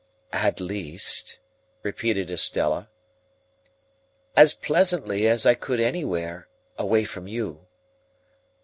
"At least?" repeated Estella. "As pleasantly as I could anywhere, away from you."